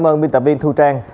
xin cảm ơn viên tạm viên thu trang